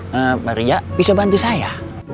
hah pak ria bisa bantu saya